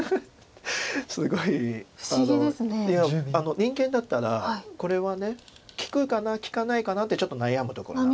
人間だったらこれは利くかな利かないかなってちょっと悩むところなんです。